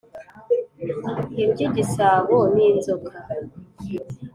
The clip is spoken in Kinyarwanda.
Ibyigisabo n,inzoka